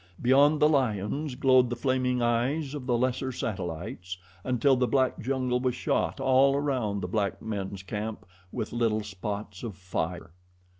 Beyond the lions glowed the flaming eyes of the lesser satellites, until the black jungle was shot all around the black men's camp with little spots of fire.